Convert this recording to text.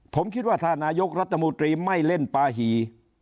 ผมคิดว่าถ้านายกรัฐมนตรีไม่เล่นปาหี่